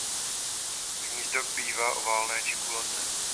Hnízdo bývá oválné či kulaté.